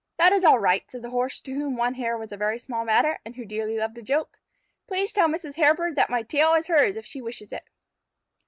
"That is all right," said the Horse, to whom one hair was a very small matter, and who dearly loved a joke. "Please tell Mrs. Hairbird that my tail is hers if she wishes it."